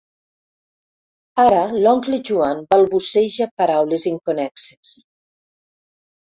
Ara l'oncle Joan balbuceja paraules inconnexes.